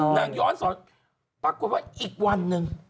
ย้อนสอนปรากฏว่าอีกวันหนึ่ง